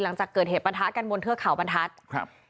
หลังจากเกิดเหตุปะทะกันบนเทือกเขาบรรทัศน์ครับ